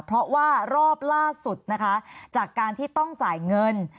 เพราะว่ารอบล่าสุดนะคะจากการที่ต้องจ่ายเงิน